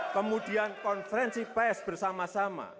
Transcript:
kemudian konferensi pes bersama sama